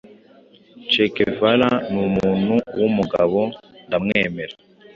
che guevara numuntu wumugabo ndamwemera